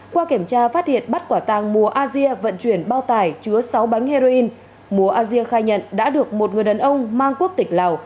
qua kiểm tra phát hiện bắt quả tăng mùa asia vận chuyển bao tải chứa sáu bánh heroin mùa asia khai nhận đã được một người đàn ông mang quốc tịch lào